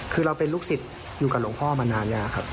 คือเราเป็นลูกศิษย์อยู่กับหลวงพ่อมานานแล้วครับ